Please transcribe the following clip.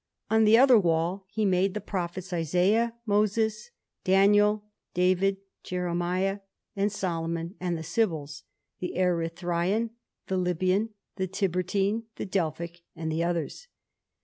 On the other wall he made the Prophets, Isaiah, Moses, Daniel, David, Jeremiah, and Solomon; and the Sibyls, the Erythræan, the Libyan, the Tiburtine, the Delphic, and the others.